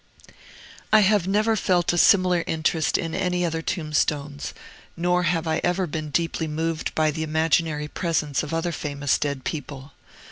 I have never felt a similar interest in any other tombstones, nor have I ever been deeply moved by the imaginary presence of other famous dead people.